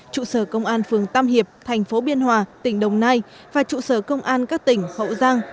trụ sở công an phường tam hiệp thành phố biên hòa tỉnh đồng nai và trụ sở công an các tỉnh hậu giang